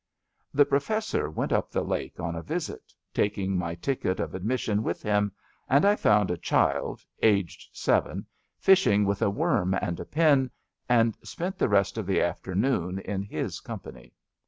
The Professor went up the lake on a visit, taking my ticket of admission with him„ and I found a child, aged seven, fishing with a worm and a pin, and spent the rest of the afternoon in his com pany.